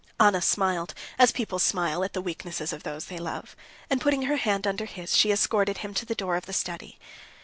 Anna smiled, as people smile at the weaknesses of those they love, and, putting her hand under his, she escorted him to the door of the study.